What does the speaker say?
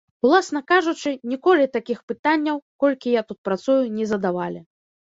Уласна кажучы, ніколі такіх пытанняў, колькі я тут працую, не задавалі.